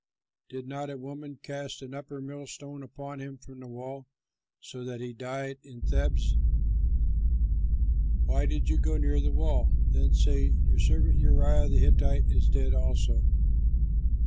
Did not a woman cast an upper millstone upon him from the wall, so that he died at Thebez? Why did you go near the wall?' then say, 'Your servant Uriah the Hittite is dead also.'"